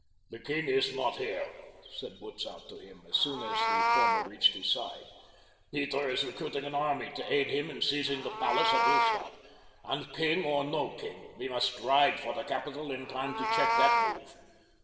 "The king is not here," said Butzow to him, as soon as the former reached his side. "Peter is recruiting an army to aid him in seizing the palace at Lustadt, and king or no king, we must ride for the capital in time to check that move.